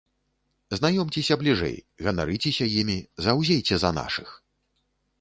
Знаёмцеся бліжэй, ганарыцеся імі, заўзейце за нашых!